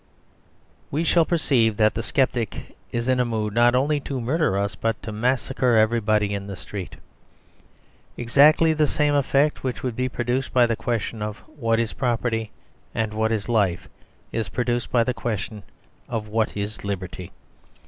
We shall perceive that the sceptic is in a mood not only to murder us but to massacre everybody in the street. Exactly the same effect which would be produced by the questions of "What is property?" and "What is life?" is produced by the question of "What is liberty?"